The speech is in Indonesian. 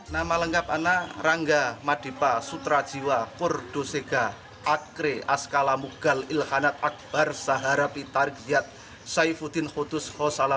nama lengkap anak rangga madipa sutra jiwa kordosega akre askalamugal ilhanat akbar sahara pitorik ziyad saifuddin kutus kosala